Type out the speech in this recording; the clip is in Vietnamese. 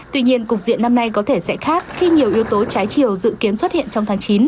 tuy nhiên cục diện năm nay có thể sẽ khác khi nhiều yếu tố trái chiều dự kiến xuất hiện trong tháng chín